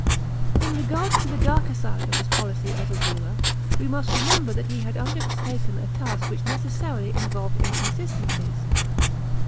In regard to the darker fide of his policy as a ruler, we must remember that he hud undertaken a task which necess^rih involved inconsistencies.